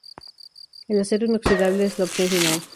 El acero inoxidable es la opción final.